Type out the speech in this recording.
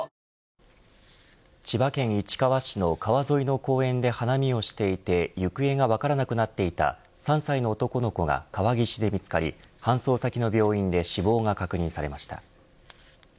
千葉県市川市の川沿いの公園で花見をしていて行方が分からなくなっていた３歳の男の子が川岸で見つかり搬送先の病院で死亡が確認されました。